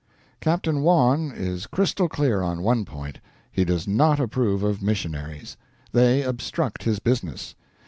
Captain Wawn is crystal clear on one point: He does not approve of missionaries. They obstruct his business.